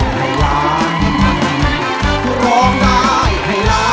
สวัสดีครับ